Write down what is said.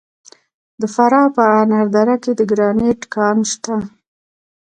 د فراه په انار دره کې د ګرانیټ کان شته.